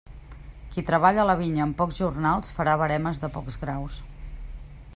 Qui treballa la vinya amb pocs jornals farà veremes de pocs graus.